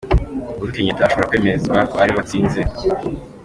Uhuru Kenyatta ashobora kwemezwa ko ariwe watsinze